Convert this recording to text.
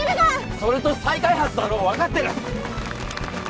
それと再開発だろわかってる！